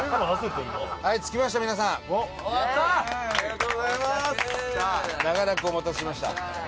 伊達：長らくお待たせしました。